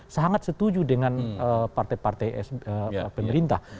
sangat setuju dengan partai partai pemerintah